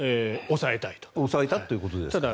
抑えたということですから。